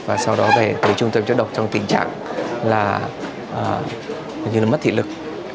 và về trung tâm chống độc trong tình trạng mất thị lực